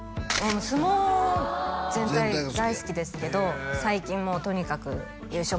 相撲全体大好きですけど最近もうとにかく優勝